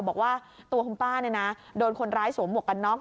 บอกว่าตัวคุณป้าเนี่ยนะโดนคนร้ายสวมหมวกกันน็อก